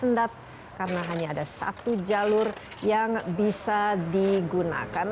sendat karena hanya ada satu jalur yang bisa digunakan